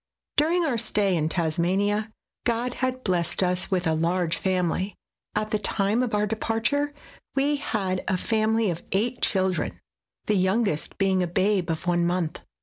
During our stay in Tasmania, God had blessed us with a large family ; at the time of our departure we had a family of eight children, the youngest being a babe of one month.